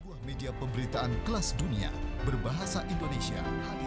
sebuah media pemberitaan kelas dunia berbahasa indonesia